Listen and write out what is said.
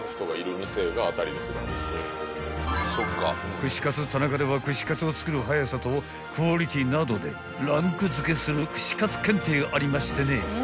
［串カツ田中では串カツを作る早さとクオリティーなどでランク付けする串カツ検定ありましてね